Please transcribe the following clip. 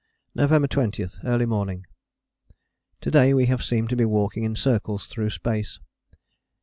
November 20. Early morning. To day we have seemed to be walking in circles through space.